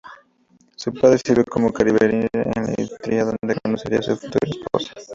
Su padre sirvió como Carabinieri en Istria, donde conocería a su futura esposa.